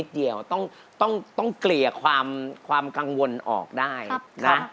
เดียวต้องเกลี่ยความกังวลออกได้นะ